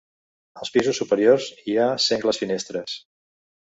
Als pisos superiors hi ha sengles finestres.